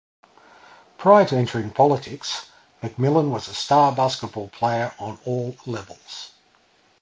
Prior to entering politics, McMillen was a star basketball player on all levels.